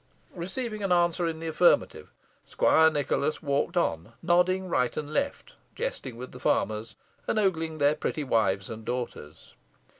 Receiving an answer in the affirmative, squire Nicholas walked on, nodding right and left, jesting with the farmers, and ogling their pretty wives and daughters.